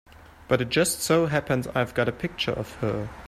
But it just so happens I've got a picture of her.